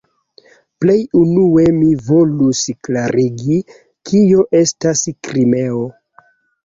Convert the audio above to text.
Plej unue mi volus klarigi, kio estas "Krimeo".